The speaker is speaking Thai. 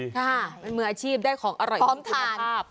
ค่ะเป็นเมื่ออาชีพได้ของอร่อยอร่อยการประทาน